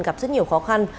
gặp rất nhiều khó khăn